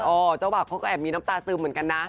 เจ้าบ่าวเขาก็แอบมีน้ำตาซึมเหมือนกันนะ